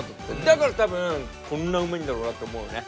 だから多分こんなうまいんだろうなって思うよね。